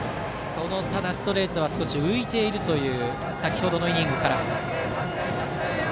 ストレートは少し浮いているという先程のイニングから。